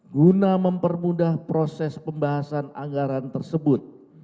guna mempermudah proses pembahasan anggaran tersebut